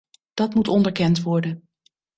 Dat moet onderkend worden.